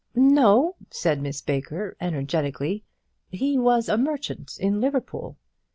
"No," said Miss Baker, energetically; "he was a merchant in Liverpool."